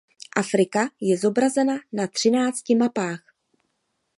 Afrika je zobrazena na třinácti mapách.